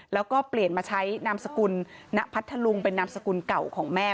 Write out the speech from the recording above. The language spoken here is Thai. แล้วก็เปลี่ยนมาใช้นามสกุลณพัทธลุงเป็นนามสกุลเก่าของแม่